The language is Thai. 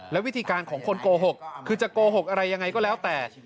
และวิธีการของคนโกหกคือจะโกหกอะไรยังไงก็แล้วแต่